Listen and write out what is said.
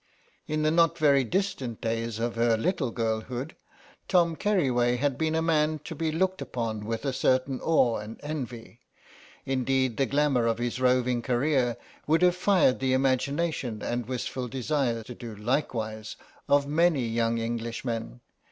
In the not very distant days of her little girlhood, Tom Keriway had been a man to be looked upon with a certain awe and envy; indeed the glamour of his roving career would have fired the imagination, and wistful desire to do likewise, of many young Englishmen.